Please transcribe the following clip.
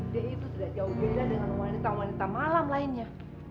d itu tidak jauh beda dengan wanita wanita malam lainnya